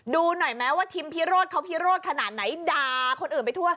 ดูหน่อยไหมว่าทิมพิโรธเขาพิโรธขนาดไหนด่าคนอื่นไปทั่ว